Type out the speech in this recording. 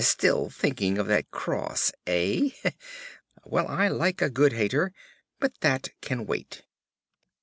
'Still thinking of that cross, eh? Well, I like a good hater. But that can wait.'